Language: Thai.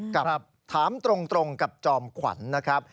กับถามตรงกับจอมขวัญนะครับ